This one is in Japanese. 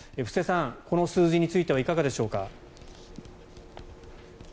布施さん、この数字についてはいかがでしょうか。